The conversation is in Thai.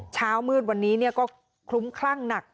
เช้ามืดวันนี้ก็คลุ้มคลั่งหนัก